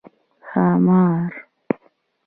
🐉ښامار